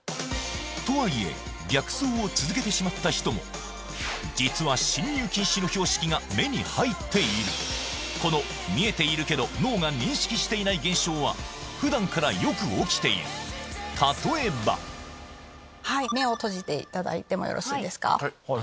とはいえ逆走を続けてしまった人も実は進入禁止の標識が目に入っている現象は普段からよく起きている例えば目を閉じていただいてもよろしいですか。